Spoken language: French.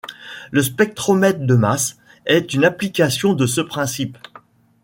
Le spectromètre de masse est une application de ce principe.